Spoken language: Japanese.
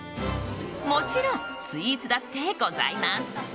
もちろんスイーツだってございます。